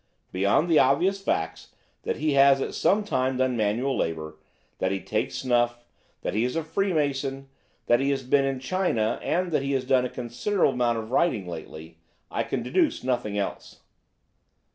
"Beyond the obvious facts that he has at some time done manual labour, that he takes snuff, that he is a Freemason, that he has been in China, and that he has done a considerable amount of writing lately, I can deduce nothing else."